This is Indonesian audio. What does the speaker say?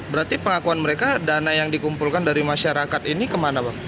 berarti pengakuan mereka dana yang dikumpulkan dari masyarakat ini kemana bang